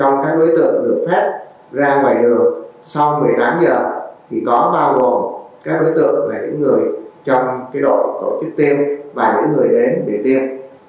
nhiều người trong đội tổ chức tiêm và những người đến để tiêm